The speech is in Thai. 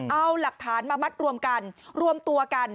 เอาหลักฐานมามัดรวมกัน